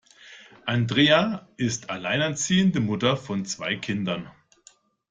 Andrea ist alleinerziehende Mutter von zwei Kindern.